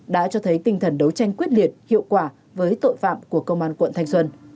đã cho thấy tinh thần đấu tranh quyết liệt hiệu quả với tội phạm của công an quận thanh xuân